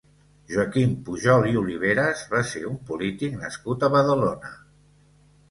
Joaquim Pujol i Oliveras va ser un polític nascut a Badalona.